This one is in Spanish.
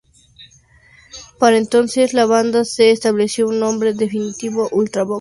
Para ese entonces, la banda se estableció un nombre definitivo, "Ultravox!